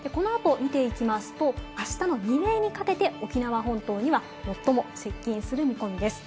このあと見ていきますと、あしたの未明にかけて沖縄本島には最も接近する見込みです。